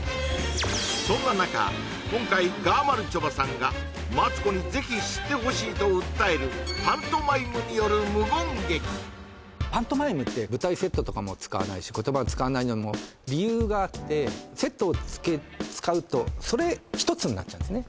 そんな中今回がまるちょばさんがマツコにぜひ知ってほしいと訴えるパントマイムによる無言劇パントマイムって舞台セットとかも使わないし言葉も使わないのも理由があってセットを使うとそれ１つになっちゃうんですね